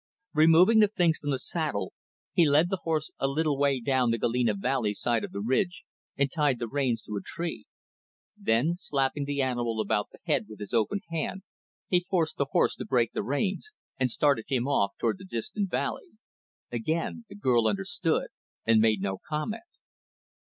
Removing the things from the saddle, he led the horse a little way down the Galena Valley side of the ridge, and tied the reins to a tree. Then, slapping the animal about the head with his open hand, he forced the horse to break the reins, and started him off toward the distant valley. Again, the girl understood and made no comment.